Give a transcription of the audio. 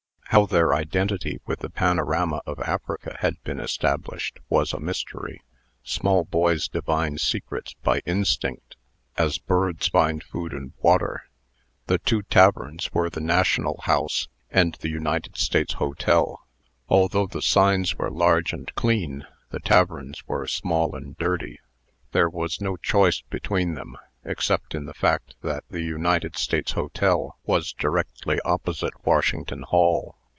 How their identity with the panorama of Africa had been established, was a mystery. Small boys divine secrets by instinct, as birds find food and water. The two taverns were the National House and the United States Hotel. Although the signs were large and clean, the taverns were small and dirty. There was no choice between them, except in the fact that the United States Hotel was directly opposite Washington Hall.